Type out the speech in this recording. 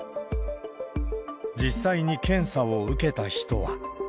実際に検査を受けた人は。